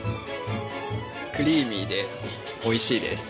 クリーミーでおいしいです。